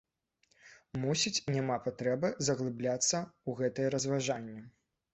Мусіць, няма патрэбы заглыбляцца ў гэтыя разважанні.